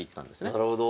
なるほど。